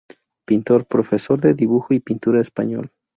Pintor, profesor de dibujo y pintura español.